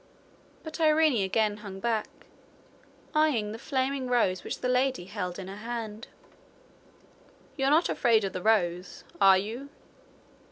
But Irene again hung back, eying the flaming rose which the lady held in her hand. 'You're not afraid of the rose are you?'